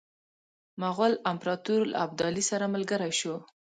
مغول امپراطور له ابدالي سره ملګری شو.